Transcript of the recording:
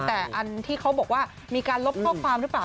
แต่อันที่เขาบอกว่ามีการลบข้อความหรือเปล่า